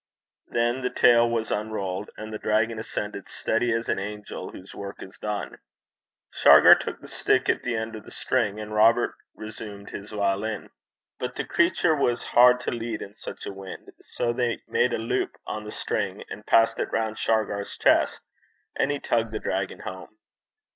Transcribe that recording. Then the tail was unrolled, and the dragon ascended steady as an angel whose work is done. Shargar took the stick at the end of the string, and Robert resumed his violin. But the creature was hard to lead in such a wind; so they made a loop on the string, and passed it round Shargar's chest, and he tugged the dragon home.